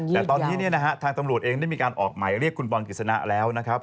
แต่ตอนนี้เนี่ยนะฮะทางตำรวจเองได้มีการออกหมายเรียกคุณบอลกฤษณะแล้วนะครับ